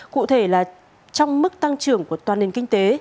cụ thể là trong mức tăng trưởng của toàn nền kinh tế